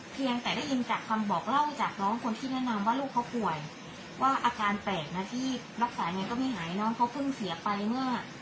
เพียงแต่ได้ยินจากคำบอกเล่าจากน้องคนที่แนะนำว่าลูกเขาป่วยว่าอาการแปลกนะที่รักษายังไงก็ไม่หายน้องเขาเพิ่งเสียไปเมื่อ